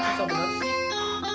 susah bener sih